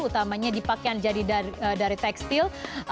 utamanya di pakaian jadi dari tekstil